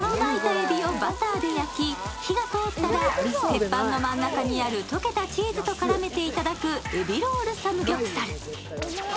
豚を巻いたえびをバターで焼き、比嘉通ったら鉄板の真ん中にある溶けたチーズと絡めて頂く、エビロールサムギョプサル。